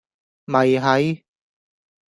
咪係